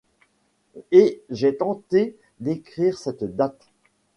Et j’ai tenté d’écrire cette date.